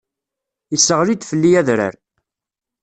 Isseɣli-d fell-i adrar.